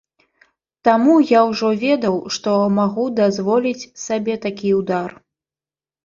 Таму я ўжо ведаў, што магу дазволіць сабе такі ўдар.